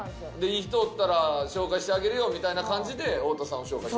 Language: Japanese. いい人おったら紹介してあげるよみたいな感じで太田さんを紹介。